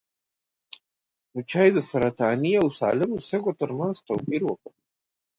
مچیو د سرطاني او سالمو سږو ترمنځ توپیر وکړ.